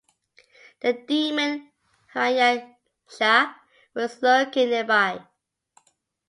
The demon Hiranyaksha was lurking nearby.